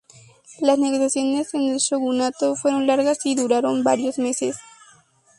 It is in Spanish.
Las negociaciones con el shogunato fueron largas y duraron varios meses.